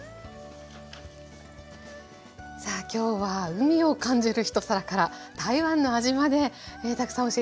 さあきょうは海を感じる一皿から台湾の味までたくさん教えて頂きました。